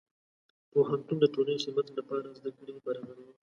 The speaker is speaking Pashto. پوهنتون د ټولنې خدمت لپاره زدهکړې برابروي.